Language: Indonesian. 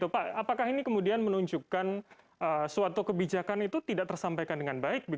pak apakah ini kemudian menunjukkan suatu kebijakan itu tidak tersampaikan dengan baik